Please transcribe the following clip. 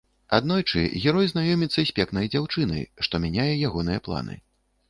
Аднойчы герой знаёміцца з пекнай дзяўчынай, што мяняе ягоныя планы.